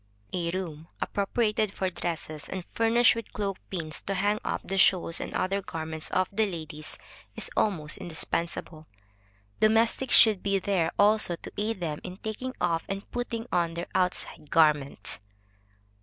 A room appropriated for dresses, and furnished with cloak pins to hang up the shawls and other garments of the ladies, is almost indispensable. Domestics should be there also to aid them in taking off and putting on their outside garments.